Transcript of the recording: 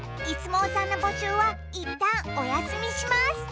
「イスもうさん」のぼしゅうはいったんおやすみします。